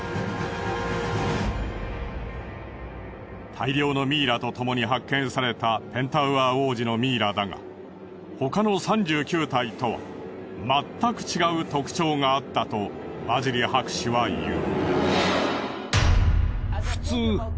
大量のミイラとともに発見されたペンタウアー王子のミイラだが他の３９体とはまったく違う特徴があったとワジリ博士は言う。